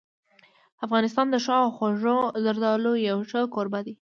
افغانستان د ښو او خوږو زردالو یو ښه کوربه دی.